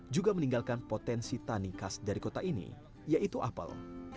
juga meninggalkan potensi tani khas dari kota ini yaitu apel